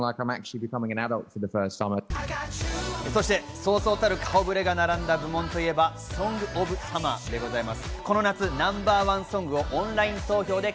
そうそうたる顔ぶれが並んだ部門といえばソング・オブ・サマーです。